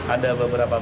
ada beberapa buah